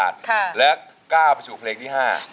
ได้